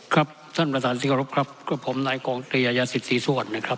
ครับท่านประธานที่เคารพครับกับผมนายกองตรียาสิทธิส่วนนะครับ